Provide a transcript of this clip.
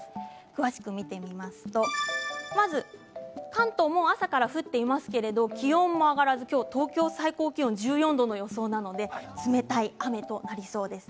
詳しく見ていますと関東もう朝から降っていますけれども気温も上がらず東京の最高気温１４度の予想なので冷たい雨となりそうです。